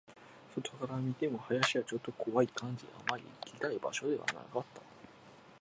外から見ても、林はちょっと怖い感じ、あまり行きたい場所ではなかった